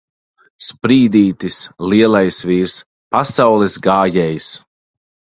Sprīdītis! Lielais vīrs! Pasaules gājējs!